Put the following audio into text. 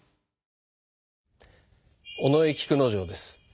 尾上菊之丞です。